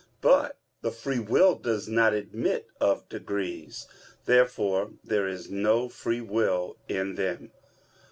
But the free will does not admit of degrees. Therefore there is no free will in them.